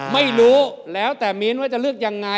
ไม่รู้แล้วแต่มิ้นว่าจะเลือกยังไง